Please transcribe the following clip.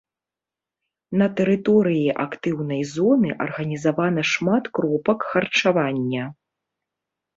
На тэрыторыі актыўнай зоны арганізавана шмат кропак харчавання.